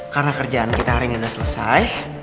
karena kerjaan kita hari ini udah selesai